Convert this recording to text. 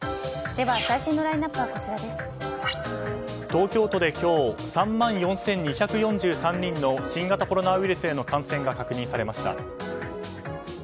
東京都で今日３万４２４３人の新型コロナウイルスへの感染が確認されました。